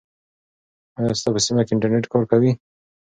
آیا ستا په سیمه کې انټرنیټ کار کوي؟